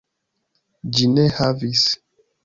Ĝi ne havis.